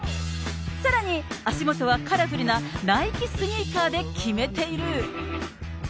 さらに足元はカラフルなナイキスニーカーで決めている。